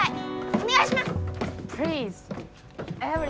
お願いします！